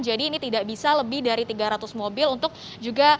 jadi ini tidak bisa lebih dari tiga ratus mobil untuk juga